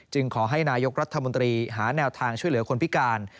ขอให้นายกรัฐมนตรีหาแนวทางช่วยเหลือคนพิการ